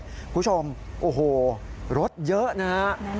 คุณผู้ชมโอ้โหรถเยอะนะฮะ